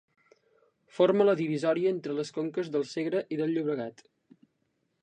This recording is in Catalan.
Forma la divisòria entre les conques del Segre i del Llobregat.